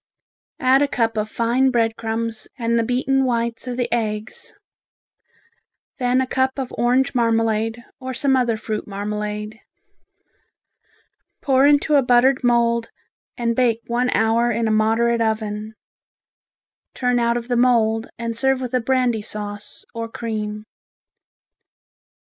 Add a cup of fine bread crumbs and the beaten whites of the eggs; then a cup of orange marmalade, or some other fruit marmalade. Pour into a buttered mould and bake one hour in a moderate oven. Turn out of the mould and serve with a brandy sauce, or cream.